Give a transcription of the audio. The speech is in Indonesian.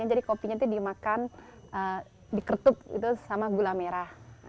jadi kopinya itu dimakan di kertup itu sama gula merah